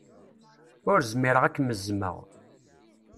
Ur zmireɣ ad kem-zzmeɣ.